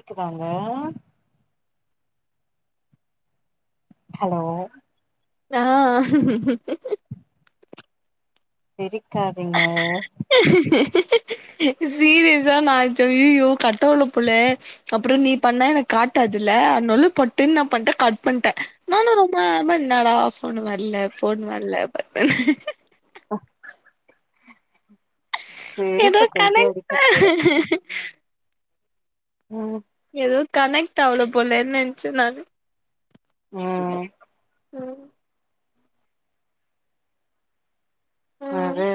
ட்டுக்கு வாங்க ஹெலோ ஆ சிரிக்காதீங்க சீரியஸா நா சொய்யிய்யோ கட்டாவலப் போலே அப்றோ நீ பண்ண எனக் காட்டாதுல்ல அன்னோல பட்டுன் நாம் பண்ட்டே கட் பண்ட்டே நானு ரொம்ப ஒரு மாறி என்னடா ஃபோனு வர்லே ஃபோன் வல்லே அப ஒ எதோ கையிலே அடிக்க கணக்ட்ட போறே ம் எதோ கனெக்ட் ஆவலப் போலேன் நென்ச்சே நானு ம் ம் ம் என்னாது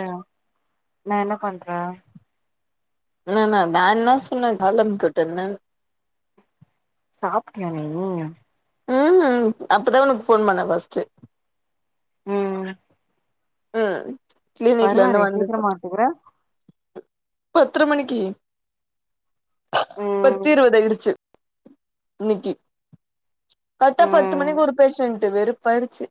நா என்னப் பண்றே நாநா தா என்னா சொன்னே கால் அம்குட்டுந்தே சாப்டியா நீனு ம் அப்போதா ஒனக் ஃபோன் பண்ணே ஃபஸ்ட்டு ம் ம் கிளினிக்லந்து பரவாயில்லையே வந்து சீக்கிரமா சொட்ட ஒத்துக்குற பத்தரை மணிக்கீ பத்து ம் இருவதாயிடுச்சு இன்னைக்கி கரெட்டா பத்து ம் மணிக்கு ஒரு பேசன்ட்டு வெறுப்பாயிடுச்சி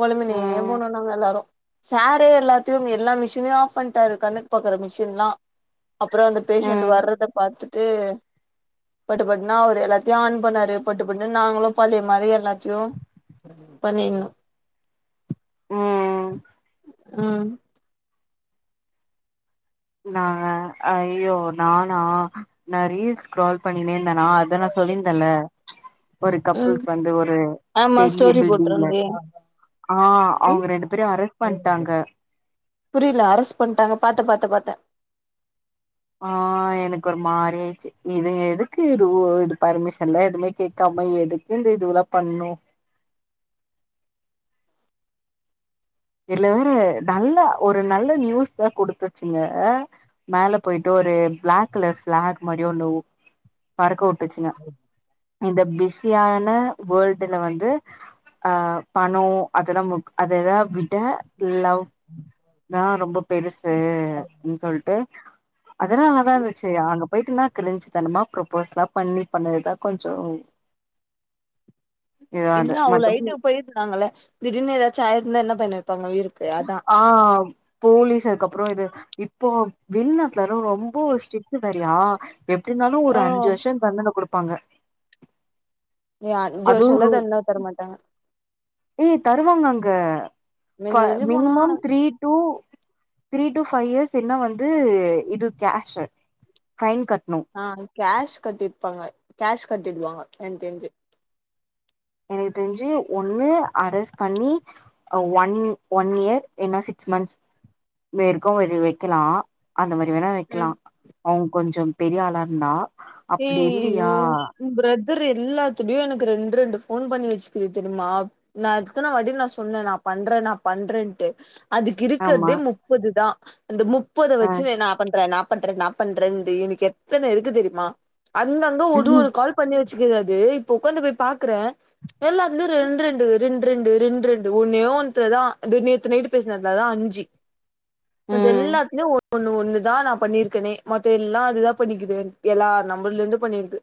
பொலமினே ம் போனோ நாங்க எல்லாரு சாரு எல்லாத்தியும் எல்லா மிஷினையு ஆஃப் பண்ட்டாரு கண்ணுக்கு பாக்கற மிஷின்லா அப்றோ அந்த பேஷண்ட்டு ம் வர்றத பாத்துட்டு பட்டு பட்னா அவுரு எல்லாத்தியு ஆன் பண்ணாருப் பட்டு பட்னு நாங்களும் பழைய மாரி எல்லாத்தியு பண்ணின்னு ம் ம் ம் நாங்க ஐயோ நானா நா ரீல்ஸ் ஸ்க்ரோல் பண்ணினே இந்தனா அதா நா சொல்லிந்தல்ல ஒரு ம் கப்புள்ஸ் வந்து ஒரு ஆமா பெரிய ஸ்டோரி பில்டிங்ல போட்ருந்தே ஆ ம் அவுங்க ரெண்டு பேரையு அரெஸ்ட் பண்ட்டாங்க புரில அரஸ்ட் பண்ட்டாங்க பாத்தே பாத்தே பாத்தே ஆ எனக்கு ஒரு மாரி ஆயிட்ச்சு இது எதுக்கு இது ரூ இது பர்மிஷன்லா எதுமே கேக்காம எதுக் இந்த இதுவலாப் பண்ணு இல்ல வேற நல்லா ஒரு நல்ல நியூஸ்தா குடுத்துட்ச்சுங்க மேல போயிட்டு ஒரு பிளாக் கலர் ஃபிளாக் மாரி ஒன்னு வு பறக்க வுட் பிரச்சன இந்த பிஸியான வேர்ல்டுல வந்து அ பணோ அதுலாம் முக் அது எதா விட் ட லவ்தா ரொம்ப பெருசுன் சொல்ட்டு அதனாலதா இந்துச்சி அங்கப் போயிட்டுனா கிழஞ்சுத்தனமா ப்ரொப்போஸ்லாம் பண்ணி பண்ணதுதா கொஞ்சோ இல்ல இதாது அவளோ மத்தபடி ஐட்டு போயிருந்தாங்கள திடீர்னு ஏதாச்சு ஆயிருந்தா என்ன பண்ணிர்ப்பாங்க உயிருக் ஆம் போலீஸ் அதுக்கு அப்புறோ இது இப்போ வெளிநாட்லலா ரொம்போ ஸ்ரிட் டு வேறயா எப்டினாலு ஆ ஒரு அஞ்சு வர்ஷோ தண்டன குடுப்பாங்க ஏ அஞ்சு அதுவு வர்ஷோல்லா தண்டன தரமாட்டாங்க ஏய் தருவாங்க அங்க ஃப மிஞ்சி மிஞ்சி போனா minimum three two three two five years இல்லான்னா வந்து இது கேஷு ஃபைன் கட்ணு ஆ கேஷ் கட்டிருப்பாங்க கேஷ் கட்டிடுவாங்க எனக் தெர்ஞ்சு எனக் தெர்ஞ்சு ஒண்ணு அரஸ்ட் பண்ணி ஒன் ஒன் இயர் இல்னா சிக்ஸ் மந்த்ஸ் மேருக்கு இது வெக்கலா அந்த மாரி வேணா வெக்கலா ம். அவ்ங் கொஞ்சம் பெரிய ஆளா இருந்தா அப்பிடி ஏய் இல்லையா உ பிரதர் எல்லாத்துலயையு எனக் ரெண்ட் ரெண்டு ஃபோன் பண்ணி வெச்சுகிது தெரிமா நா எத்தன வாட்டி நா சொன்னே நா பண்றே நா பண்றேன்ட்டு அதுக்கு ஆமா இருக்கற்தே முப்பது தா அந்த முப்பத ஆ வெச்சுனு நா பண்ற நா பண்ற நா ப் பண்றெண்ந்து எனக்கு எத்தன இருக்கு தெரியுமா அங்கங்க ஒரு ஒரு கால் பண்ணி வெச்சுக்குது அது இப்ப உக்காந்து போய் பாக்கற எல்லாத்திலியு ரெண்ட் ரெண்டு ரெண்ட் ரெண்டு ரெண்ட் ரெண்டு ஒன்னே ஒன்த்துல தா‌ இதோ நேத்து நைட்டு பேசினத்தலதா அஞ்சு மத்த ம் எல்லாத்திலியு ஒ ஒண்ணு ஒண்ணு தா நா பண்ணியிருக்கனே மத்த எல்லா அதுதா பண்ணிக்குது எல்லா நம்பர்லருந்து பண்ணிருக்கு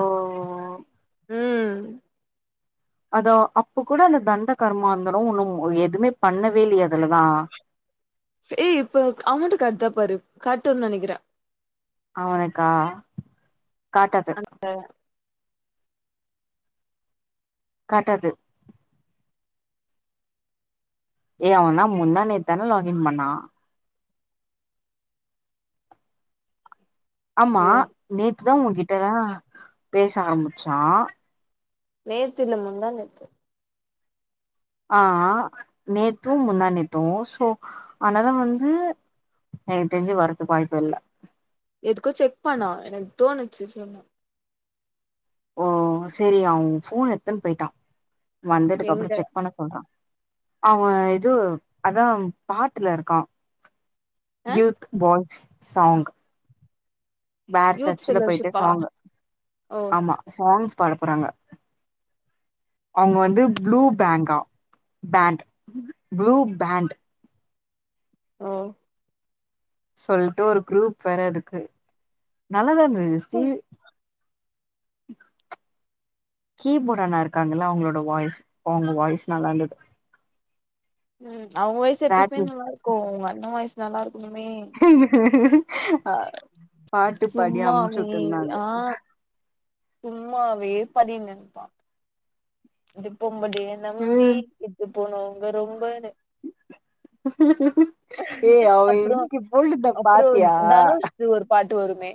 ஓ ஓ ம் அதோ அப்ப கூட அந்த தண்ட கர்மாந்தரோ ஒன்னு எதுமே பண்ணவே இல்லையா அதுலதா ஏ இப்ப அமௌண்ட் காட்தா பாரு கட்டுன்னு நெனைக்கிறே அவனுக்கா காட்டாது ஆ காட்டாது ஏய் அவந்தா முந்தா நேத் தான லாக் இன் பண்ணா ஆமா சே நேத்து தா உங்கிட்ட தா பேச ஆரம்பிச்சா நேத்தில்ல முந்தா நேத்து ஆ ஆ நேத்து முந்தா நேத்து சோ அனால வந்து எனக் தெஞ்சு வரத்துக்கு வாய்ப்பு இல்ல எதுக்கு செக் பண்ணு எனக்கு தோணுச்சு சொன்ன ஓ செரி அவ ஃபோன் எடுத்துன் போயிட்டா வந்ததுக் அப்பறோ எங்க செக் பண்ண சொல்ற அவ இது அதா பாட்டுல இருக்கா ஆ யூத் பாய்ஸ் சாங் வேற யூத் சர்ச்சுல போயிட்டு ஃபெல்லோஷிப்பா சாங்கு ஓ ஆமா சாங்ஸ் பாட போறாங்க அவ்ங்க வந்து ப்ளூ பேங்கா பேண்ட் ப்ளூ பேண்ட் ஓ சொல்ட்டு ஒரு குரூப் வேற இருக்கு நல்லாதான இருந்து ஹிஸ்டி கீபோர்ட் அண்ணா இருக்காங்கல அவங்களோட வாய்ஸ் அவ்ங்க வாய்ஸ் நல்லா இருந்தது ம் அவ்ங்க வாய்ஸ்ஸு எப்பயுமே பிராக்டிஸ் நல்லாருக்கு ஒங்க அண்ண வாய்ஸ் நல்லாருக்கணுமே ஆ பாட்டு பாடி சும்மாவே அம்ச்சுவுட்டுருந்தாங்க ஆ சும்மாவே பாடின்னு இருப்பா இப்பம்படிய நம்பி ம் இப் போனவங்க ரொம்பன்னு ஏ அவ அப்புறோ இன்க்கு போட்ருந்தா பாத்தியா இது ஒரு பாட்டு வருமே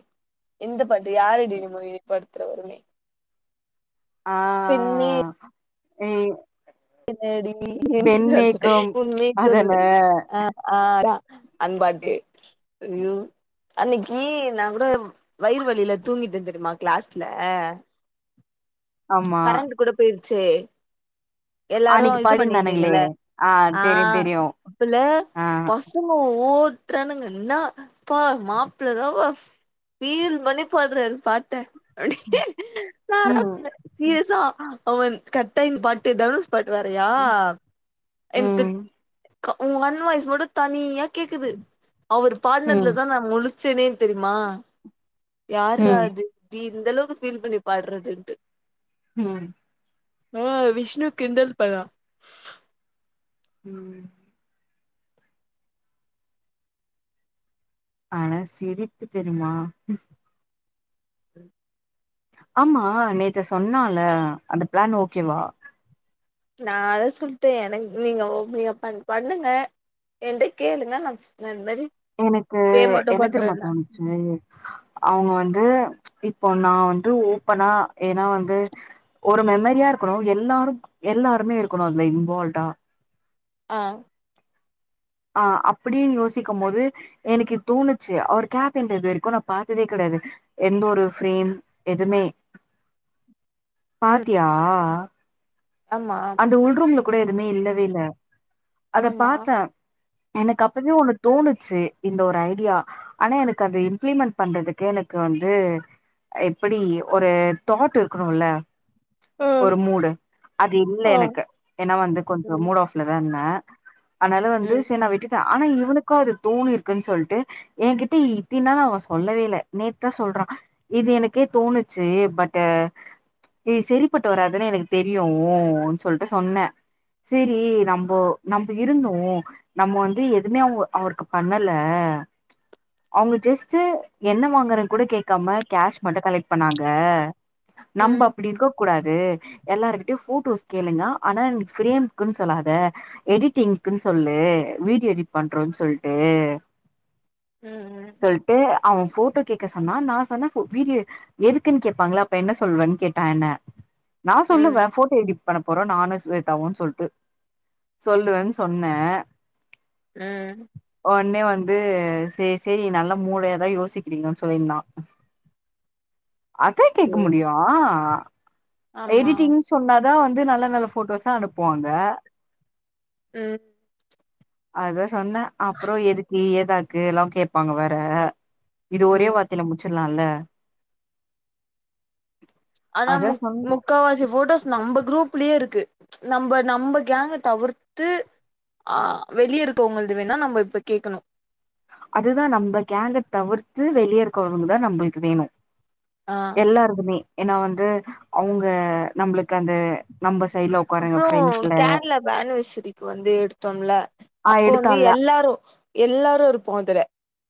இந்த பாட்டு யாரடி நீ மோகினி படத்ல வருமே பெண்ணே ம் என்னடி நீ என்ன சொல்ல பெண்மேகம் உண்மைய அதான சொல்லு ஆ ஆ அதான் அந்த பாட்டு ஐயோ அன்னக்கி நா கூட வயிறு வலியில தூங்கிட்ட தெரியுமா கிளாஸ்ல [inaudible] கரண்ட் கூட போயிருச்சே எல்லாரு அன்னைக்கு இது பாடிந்தானுங்களே பண்ணிருந்தீங்கள ஆ தெரியு தெரியு அப்ல்ல ஆ பசங் ங்க ஓட்றானுங்க என்ன பா மாப்ள தாப்பா ஃபீல் பண்ணிப்பாட்றாரு பாட்ட நா அது தா ம் சொன்ன சீரியஸா அவன் கட்டாய இந்த பாட்டு தனுஷ் பாட்டு வறயா ம் எனக்கு ம் க ஒங் அண் வாய்ஸ் மட்டு தனியா கேக்குது அவர் பாட்னதுலதா நா முழிச்சனே தெரிமா யார்ரா ம் அது ப்டி இந்தளவுக்கு ஃபீல் பண்ணி பாட்றதுன்ட்டு ம் ஆ விஷ்ணு கிண்டல் பண்வா ம் ஆனா சிரிப்பு தெரிமா ஆமா நேத்து சொன்னால அந்த பிளான் ஓகேவா நா அத சொல்ட்டே எனக்கு நீங்க நீங்க பண் பண்ணுங்க என்ட்ட கேளுங்க நா ஸ் இந்த மேரி எனக்கு என்ன தெரிமா தோணுச்சு அவுங்க வந்து இப்ப நா வந்து ஓப்பனா ஏன்னா வந்து ஒரு மெமரியாருக்கணு எல்லாருக் எல்லாருமே இருக்கணு அதுல இன்வால்வ்டா ஆ ஆ அப்டின்னு யோசிக்கும் போது எனக்கு தோணுச்சு அவர் கேபின் ல இது வரைக்கு நா பாத்ததே கெடையாது எந்த ஒரு ஃப்ரேம் எதுமே ம் பாத்தியா ஆமா ந்த உள்ரூம்ல கூட எதுமே இல்லவே இல்ல அத ஆமா பாத்தா எனக்கு அப்பவே ஒன்னு தோணுச்சு இந்த ஒரு ஐடியா ஆனா எனக்கு அத இம்ப்ளிமெண்ட் பண்றதுக்கு எனக்கு வந்து எப்டி ஒரு தாட் இருக்கணுல ம் ஒரு மூடு அது இல்ல ஆ எனக்கு ஏன்னா வந்து கொஞ்சோ ம் மூட் ஆஃப்ல தா இருந்த அதனால வந்து ம் செரி நா விட்டு ட்ட ஆனா இவனுக்கு அது தோணிருக்ன்னு சொல்ட்டு ஏ கிட்ட இத்தினாள் அவ சொல்லவேல்ல நேத்து தா சொல்றா இது எனக்கே தோணுச்சு பட்டு இது செரிப்பட்டு வராதுன்னு எனக்கு தெரியு ஊஉ சொல்ட்டு சொன்னே சரி நம்போ நம்ம இருந்தோ நம்ம வந்து எதுவுமே அவுங்க அவருக்கு பண்ணல அவுங்க ஜஸ்ட்டு என்ன வாங்றேன்னு கூட கேக்காம கேஷ் மட்டு கலெக்ட் பண்ணாங்க நம்ப ம் அப்டி இருக்க கூடாது எல்லாருக்கு டு போட்டோஸ் கேளுங்க அனா என பிரேம்குன்னு சொல்லாத எடிட்டிங்க்குன்னு சொல்லு வீடியோ எடிட் பண்றோன்னு சொல்ட்டு ம் ம் சொல்ட்டு அவ போட்டோ கேட்க சொன்னா நா சொன்ன போ வீடியோ எதுக்குன்னு கேப்பாங்களா அப்ப என்ன சொல்வன்னு கேட்டா என்ன நா சொல்லுவ ம் போட்டோ எடிட் பண்ண போறோ நானு சுவேத்தாவுனு சொல்ட்டு சொல்லுவன் சொன்ன ம் ஒடனே வந்து சேரி சேரி நல்ல மூளையாதா யோசிக்கிறீங்க சொலியிருதா அதே கேக்க சேரி முடியு சேரி ஆமா எடிட்டிங்குனு சொன்னாதா வந்து நல்ல நல்ல போட்டோஸா அனுப்புவாங்க ம் அதா சொன்னே அப்பறோ எதுக்கு ஏதாக்கு எல்லா கேட்பாங்க வேற இது ஒரே ம் வாட் தில முடிச்சிர்லாயில்ல அனா மு உ முக்காவாசி போட்டோஸ் நம்ப குரூப்லயே இருக்கு நம்ம நம்ம கேங்க தவிர்த்து ஆ வெளிய இருக்கவங்களது வேணா நம்ம இப்ப கேக்கணு அதுதா நம்ம கேங்க தவிர்த்து வெளிய இருக்கறவுங்களுக்கு தா நம்பளுக்கு வேணு ஆ எல்லாருக்குமே ஏன்னா வந்து அவுங்க நம்மளுக்கு அந்த நம்ம சைல அப்பறோ கேரளா பேனு விசரிக்கு வந்து எடுத்தோம்ல ஆ அப்போ வந்து எடுத்தான்ல எல்லாரு எல்லாரு இருப்போ அதுல